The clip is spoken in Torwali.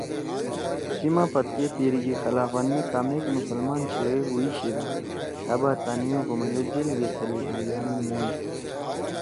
تیِما پدکے تحریک خلافت می کامیک مسلمان شریک ہُوئی شیِدا تھأ برطانی حکومتے جیل گے تھلئی آں یامی موئی